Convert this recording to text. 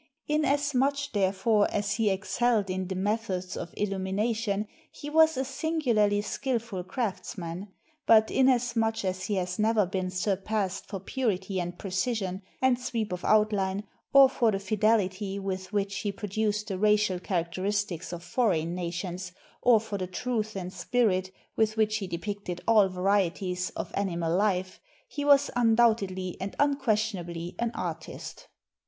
Inasmuch, therefore, as he excelled in the methods of illumination, he was a singularly skillful craftsman; but inasmuch as he has never been surpassed for purity and precision and sweep of outline, or for the fidelity with which he produced the racial characteristics of foreign nations, or for the truth and spirit with which he depicted all varieties of animal Ufe, he was undoubtedly and un questionably an artist.